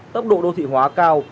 tốc độ đô thị hóa cao